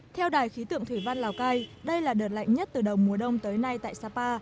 theo đài khí tượng thủy văn lào cai đây là đợt lạnh nhất từ đầu mùa đông tới nay tại sapa